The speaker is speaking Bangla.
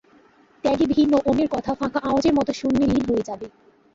ত্যাগী ভিন্ন অন্যের কথা ফাঁকা আওয়াজের মত শূন্যে লীন হয়ে যাবে।